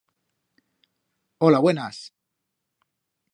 Ola, buenas!